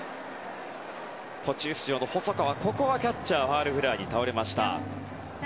途中出場の細川はキャッチャー、ファウルフライに倒れました。